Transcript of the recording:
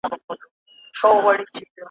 دواړي یو له بله ګراني نازولي `